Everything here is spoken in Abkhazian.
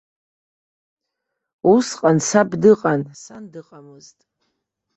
Усҟан саб дыҟан, сан дыҟамызт.